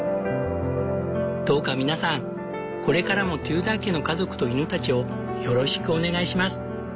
どうか皆さんこれからもテューダー家の家族と犬たちをよろしくお願いします。